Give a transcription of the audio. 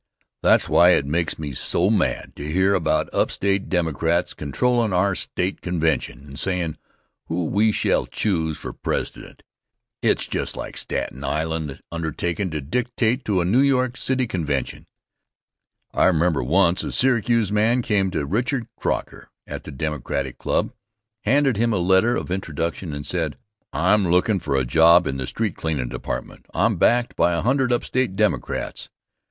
That's why it makes me mad to hear about upstate Democrats controllin' our State convention, and sayin' who we shall choose for President. It's just like Staten Island undertakin' to dictate to a New York City convention. I remember once a Syracuse man came to Richard Croker at the Democratic Club, handed him a letter of introduction and said: "I'm lookin' for a job in the Street Cleanin' Department; I'm backed by a hundred upstate Democrats."